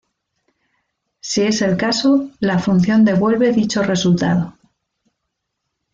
Si es el caso, la función devuelve dicho resultado.